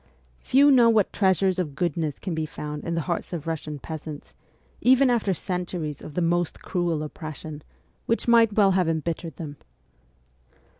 Few know what treasuries of goodness can be found in the hearts of Russian peasants, even after centuries of the most cruel oppression, which might well have embittered them.